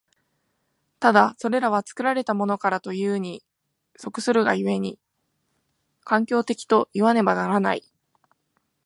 ただそれは作られたものからというに即するが故に、環境的といわねばならない。